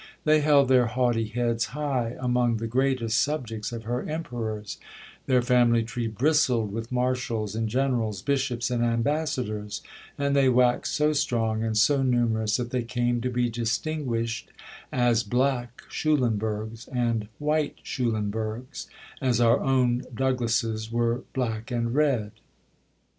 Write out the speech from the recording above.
They held their haughty heads high among the greatest subjects of her emperors; their family tree bristled with marshals and generals, bishops and ambassadors; and they waxed so strong and so numerous that they came to be distinguished as "Black Schulenburgs" and "White Schulenburgs," as our own Douglases were "black" and "red."